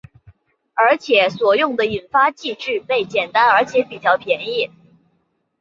而且所用的引发剂制备简单而且比较便宜。